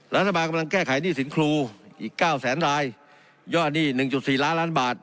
รัฐบาลกำลังแก้ไขหนี้สินครูอีกเก้าแสนรายยอดหนี้๑๔ล้านล้านบาท